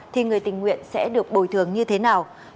thì người tình nguyện sẽ được bồi thường như thế nào